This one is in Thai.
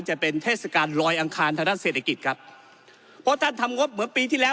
จะเป็นเทศกาลลอยอังคารทางด้านเศรษฐกิจครับเพราะท่านทำงบเหมือนปีที่แล้ว